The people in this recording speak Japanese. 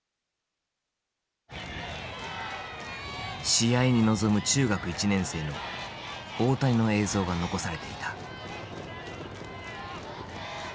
試合に臨む中学１年生の大谷の映像が残されていた。